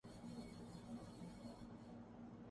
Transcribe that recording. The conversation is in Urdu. کہ جس کے ہونٹوں سے نکلے الفاظ کو خدا قرآن بنا کر اتار دیتا